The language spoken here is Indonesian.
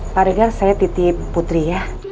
pak regar saya titip putri ya